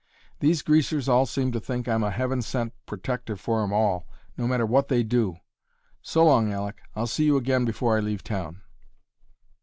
These greasers all seem to think I'm a heaven sent protector for 'em all, no matter what they do. So long, Aleck; I'll see you again before I leave town."